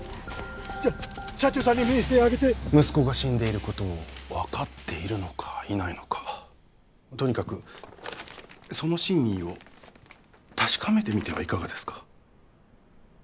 じゃ社長さんに見せてあげて息子が死んでいることを分かっているのかいないのかとにかくその真偽を確かめてみてはいかがですか？